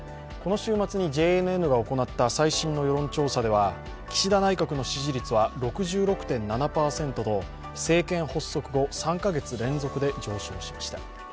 この週末にＪＮＮが行った最新の世論調査では岸田内閣の支持率は６６．７％と政権発足後３カ月連続で上昇しました。